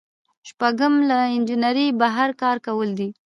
شپږم له انجنیری بهر کار کول دي.